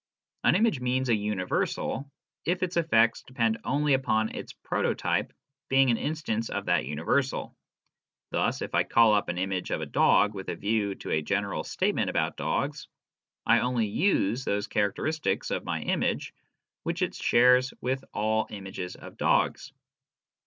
An image means a universal if its effects depend only upon its prototype being an instance of that universal. Thus, if I call up an image of a dog with a view to a general statement about dogs, I only use those charac teristics of my image which it shares with all images of dogs.